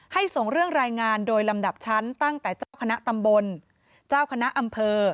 ส่งเรื่องรายงานโดยลำดับชั้นตั้งแต่เจ้าคณะตำบลเจ้าคณะอำเภอ